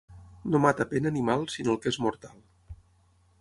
No mata pena ni mal, sinó el que és mortal.